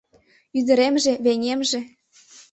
Ӱдыремже, веҥымже...